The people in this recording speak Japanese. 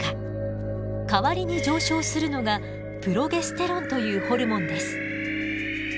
代わりに上昇するのがプロゲステロンというホルモンです。